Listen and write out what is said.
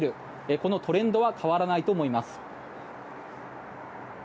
このトレンドは変わらないと思います。